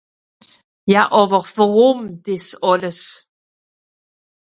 Ja àwer wùrùm dìs àlles ?